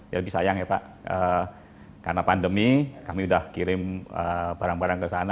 ya lebih sayang ya pak karena pandemi kami sudah kirim barang barang ke sana